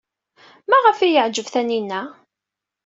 Maɣef ay yeɛjeb Taninna?